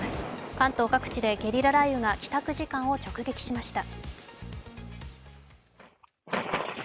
関東各地でゲリラ雷雨が帰宅時間を直撃しました。